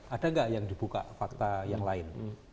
ada nggak yang dibuka fakta yang lain